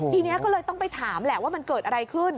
ทีนี้ก็เลยต้องไปถามแหละว่ามันเกิดอะไรขึ้น